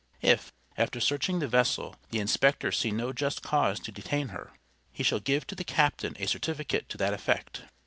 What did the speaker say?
If, after searching the vessel, the inspector see no just cause to detain her, he shall give to the captain a certificate to that effect.